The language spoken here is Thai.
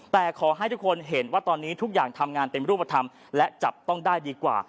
แต่ขอให้ทุกคนเห็นว่าตอนนี้ทุกอย่างทำงานเป็นรูปธรรมและจับต้องได้ดีกว่า